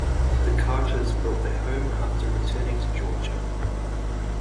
The Carters built their home after returning to Georgia.